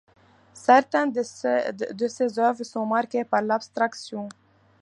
Certaines de ses œuvres sont marquées par l'abstraction.